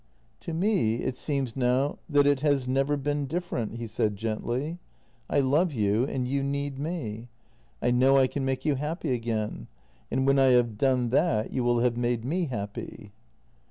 " "To me it seems now that it has never been different," he said gently. " I love you and you need me. I know I can make you happy again, and when I have done that you will have made me happy."